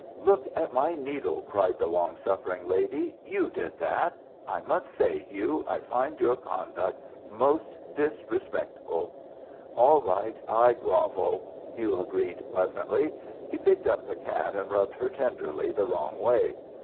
"Look at my needle!" cried the long suffering lady. "You did that. I must say, Hugh, I find your conduct most disrespectful." "All right, I grovel," Hugh agreed, pleasantly. He picked up the cat and rubbed her tenderly the wrong way.